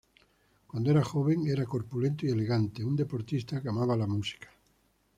Cuando era joven, era corpulento y elegante, un deportista que amaba la música.